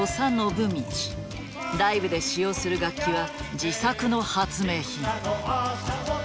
ライブで使用する楽器は自作の発明品。